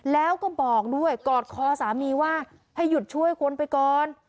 แล้วก็บอกด้วยกอดคอสามีว่าให้หยุดช่วยคนไปก่อน